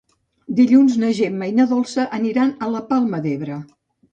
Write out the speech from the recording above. Dilluns na Gemma i na Dolça aniran a la Palma d'Ebre.